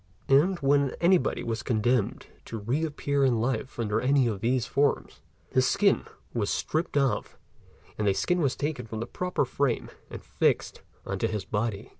and when anybody was condemned to re appear in life under any one of these forms, his skin was stripped off and a skin was taken from the proper frame and fixed on to his body.